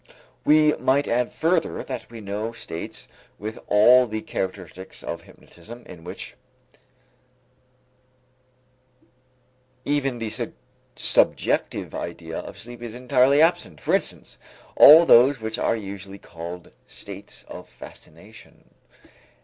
We might add further that we know states with all the characteristics of hypnotism in which even the subjective idea of sleep is entirely absent, for instance, all those which are usually called states of fascination.